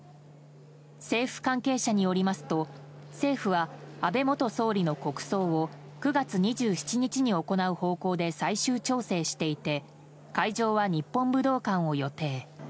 政府関係者によりますと政府は、安倍元総理の国葬を９月２７日に行う方向で最終調整していて会場は日本武道館を予定。